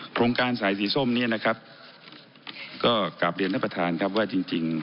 โครงการสายสีส้มเนี้ยนะครับก็กลับเรียนท่านประธานครับว่าจริงจริง